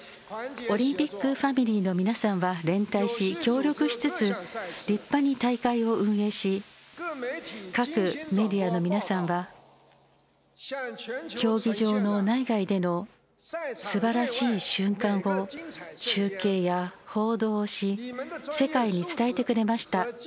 オリンピックファミリーの皆さんは連帯し協力しつつ立派に大会を運営し各メディアの皆さんは競技場の内外でのすばらしい瞬間を中継や報道をし世界に伝えてくれました。